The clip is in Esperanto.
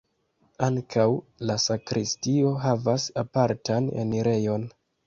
Ankaŭ la sakristio havas apartan enirejon.